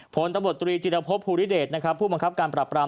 ผลตำรวจตรีจิรพบภูริเดชนะครับผู้บังคับการปรับปราม